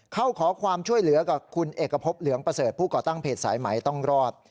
เข้าขอความช่วยเหลือกับคุณเอกพบเหลืองประเสริฐผู้ก่อตั้งเพจสายไหมต้องรอด